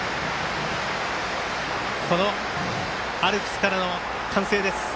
このアルプスからの歓声です。